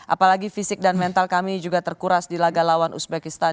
apalagi fisik dan mental kami juga terkuras di laga lawan uzbekistan